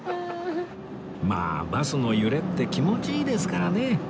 まあバスの揺れって気持ちいいですからね